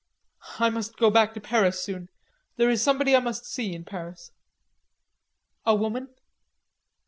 "I must go back to Paris soon. There is somebody I must see in Paris." "A woman?"